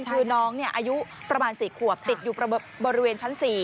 คือน้องอายุประมาณ๔ขวบติดอยู่บริเวณชั้น๔